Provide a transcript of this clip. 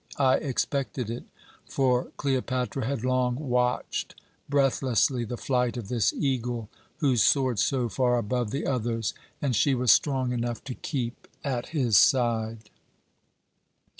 I expected it; for Cleopatra had long watched breathlessly the flight of this eagle who soared so far above the others, and she was strong enough to keep at his side.